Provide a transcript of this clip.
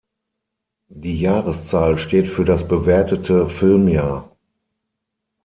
Die Jahreszahl steht für das bewertete Filmjahr.